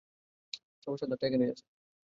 সমস্যার দাঁতটা এখানেই আছে।